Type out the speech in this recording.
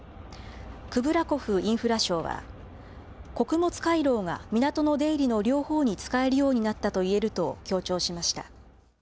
クブラコフインフラ相は、穀物回廊が港の出入りの両方に使えるようになったと強調しました。